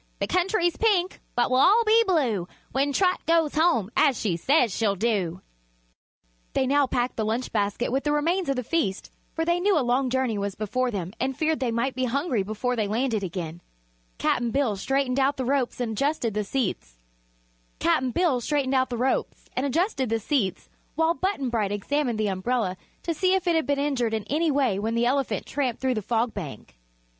The country's pink, but we'll all be blue When Trot goes home, as she says she'll do." They now packed the lunch basket with the remains of the feast, for they knew a long journey was before them and feared they might be hungry before they landed again. Cap'n Bill straightened out the ropes and adjusted the seats, while Button Bright examined the umbrella to see if it had been injured in any way when the elephant tramped through the Fog Bank.